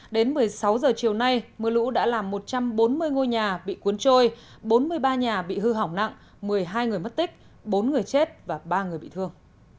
đến một mươi sáu h chiều nay mưa lũ đã làm một trăm bốn mươi ngôi nhà bị cuốn trôi bốn mươi ba nhà bị hư hỏng nặng một mươi hai người mất tích bốn người chết và ba người bị thương